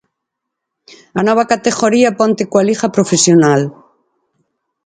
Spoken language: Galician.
A nova categoría ponte coa Liga profesional.